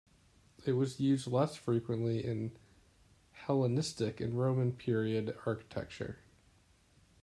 It was used less frequently in Hellenistic and Roman period architecture.